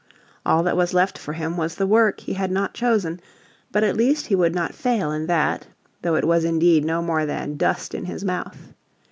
All that was left for him was the work he had not chosen, but at least he would not fail in that, though it was indeed no more than "dust in his mouth."